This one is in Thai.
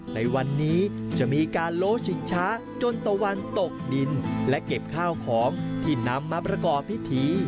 ในวันนี้จะมีการโลชิงช้าจนตะวันตกดินและเก็บข้าวของที่นำมาประกอบพิธี